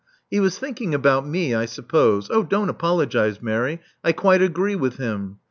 He was thinking about me, I suppose — oh, don't apologize, Mary: I quite agree with him.